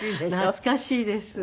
懐かしいです。